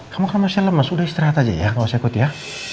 kamu kamarnya lemes udah istirahat aja ya ga usah ikut ya